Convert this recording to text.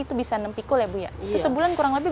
itu bisa enam pikul ya bu ya itu sebulan kurang lebih